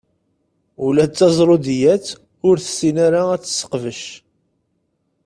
Ula d taẓrudiyat ur tessin ara ad tt-tesseqbec.